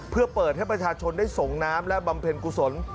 เพื่อเปิดให้ประชาชนได้ส่งน้ำและบำเพ็ญกุศล